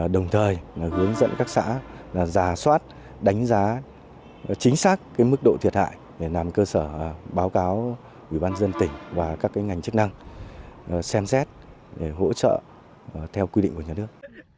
đồng thời hướng dẫn các xã giả soát đánh giá chính xác mức độ thiệt hại để làm cơ sở báo cáo ủy ban dân tỉnh và các ngành chức năng xem xét để hỗ trợ theo quy định của nhà nước